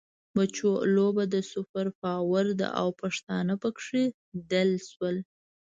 بچو! لوبه د سوپر پاور ده او پښتانه پکې دل شول.